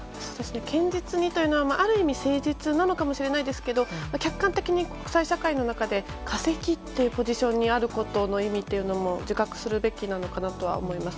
堅実にというのは、ある意味誠実なのかもしれないですが客観的に国際社会の中で化石というポジションにあることの意味というのも自覚するべきなのかなとは思います。